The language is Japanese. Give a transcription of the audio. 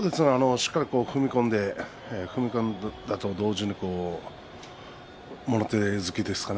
しっかり踏み込んで踏み込んだと同時にもろ手突きですかね。